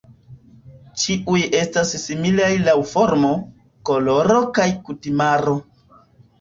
Ĉiuj estas similaj laŭ formo, koloro kaj kutimaro.